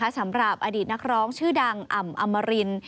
สำหรับอดีตนักร้องชื่อดังอ่ำอมริน